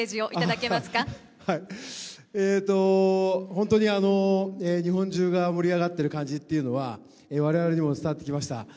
本当に、日本中が盛り上がっている感じというのは我々にも伝わってきました。